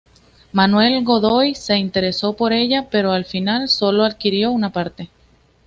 Manuel Godoy se interesó por ella, pero al final solo adquirió una parte.